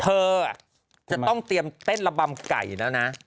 เธอจะต้องเตรียมเต้นระบำไก่แล้วนะ